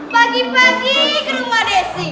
pagi pagi ke rumah desi